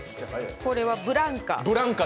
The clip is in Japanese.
これはブランカ。